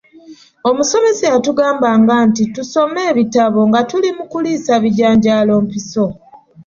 Omusomesa yatugambanga nti tusome ebitabo nga tuli mu kuliisa bijanjalo mpiso